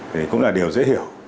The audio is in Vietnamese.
thì cũng là điều dễ hiểu